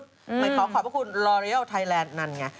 เหมือนขอขอบพระคุณลอเรียลไทยแลนด์นั่นไง